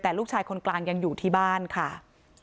แต่ลูกชายคนกลางยังอยู่ที่บ้านค่ะ